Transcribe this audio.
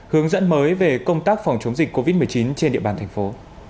hướng dẫn mới về công tác phòng chống dịch covid một mươi chín trên địa bàn thành phố